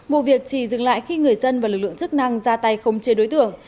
vụ việc chỉ dừng lại khi người dân và lực lượng chức năng ra tay không chế đối tượng